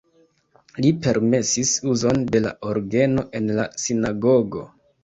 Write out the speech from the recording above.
Li permesis uzon de la orgeno en la sinagogo.